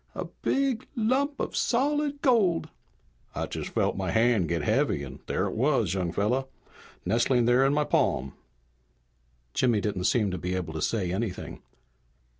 "A big lump of solid gold " "I just felt my hand get heavy and there it was, young fella, nestling there in my palm!" Jimmy didn't seem to be able to say anything.